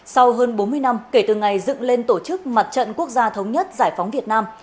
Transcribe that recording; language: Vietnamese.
sau hơn bốn mươi năm kể từ ngày dựng lên tổ chức mặt trận quốc gia thống nhất giải phóng việt nam